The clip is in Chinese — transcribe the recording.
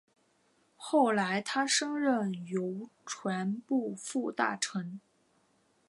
后来他升任邮传部副大臣。